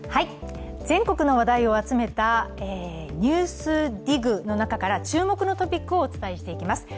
全国の話題を集めた「ＮＥＷＳＤＩＧ」の中から注目のトピックをお伝えしていきます。